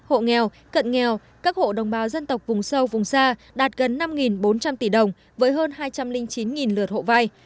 hộ nghèo cận nghèo các hộ đồng bào dân tộc vùng sâu vùng xa đạt gần năm bốn trăm linh tỷ đồng với hơn hai trăm linh chín lượt hộ vai